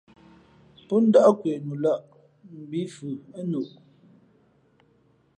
Pō ndάʼ kwe nu lαʼ mbī fʉ ά noʼ.